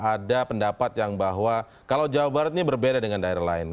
ada pendapat yang bahwa kalau jawa barat ini berbeda dengan daerah lain